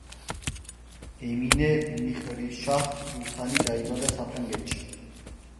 ემინე მიჰრიშაჰ სულთანი დაიბადა საფრანგეთში.